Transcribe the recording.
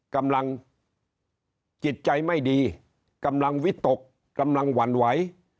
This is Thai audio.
กำลังจิตใจไม่ดีกำลังวิตกกำลังหวั่นไหว